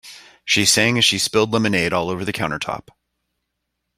She sang as she spilled lemonade all over the countertop.